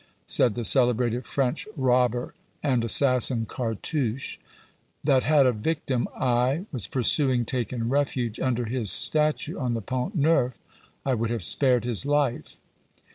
said the celebrated French robber and assassin, Cartouche, "that had a victim I was pursuing taken refuge under his statue on the Pont Neuf, I would have spared his life."